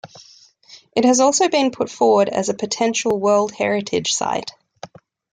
It has also been put forward as a potential World Heritage Site.